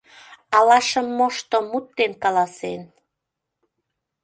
Ала шым мошто мут ден каласен?